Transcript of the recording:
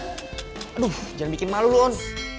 aduh jangan bikin malu lu on